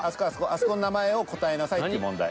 あそこの名前を答えなさいって問題。